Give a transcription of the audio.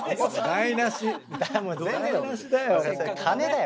台無しだよ